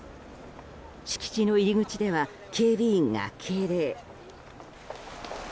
敷地の入り口では警備員が敬礼。